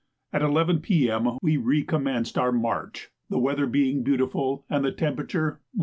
At 11 P.M. we recommenced our march, the weather being beautiful, and the temperature 8°.